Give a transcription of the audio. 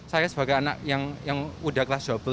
saya sebagai anak yang sudah kelas dua belas